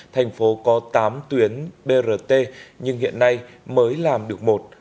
thành phố có tám tuyến brt nhưng hiện nay mới làm được một